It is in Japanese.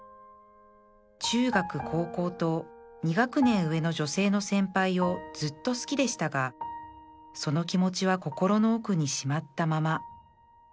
中学高校と２学年上の女性の先輩をずっと好きでしたがその気持ちは心の奥にしまったまま